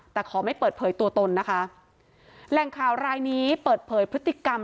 แต่ขอไม่เปิดเผยตัวตนนะคะแหล่งข่าวรายนี้เปิดเผยพฤติกรรม